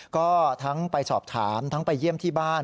ก็ทั้งไปสอบถามทั้งไปเยี่ยมที่บ้าน